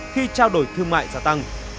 khi trao đổi thương mại gia tăng